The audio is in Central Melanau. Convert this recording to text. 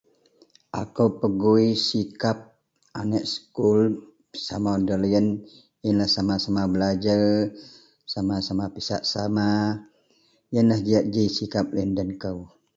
Akou pegui sikap anek sekul sama doleyen iyenlah sama-sama belajer sama-sama pisak sama iyenlah diyak ji sikap iyen den kou.